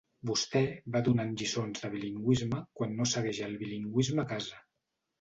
Vostè va donant lliçons de bilingüisme quan no segueix el bilingüisme a casa.